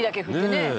ねえ。